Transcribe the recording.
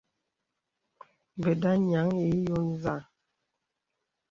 Və̀da nyaŋ ǐ yo nzâ.